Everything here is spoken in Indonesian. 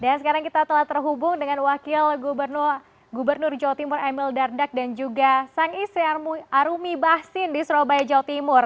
dan sekarang kita telah terhubung dengan wakil gubernur jawa timur emil dardak dan juga sang ise arumi bahsin di surabaya jawa timur